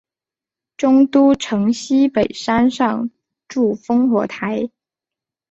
中都城西北山上筑烽火台。